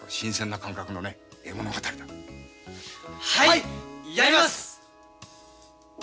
はいやります！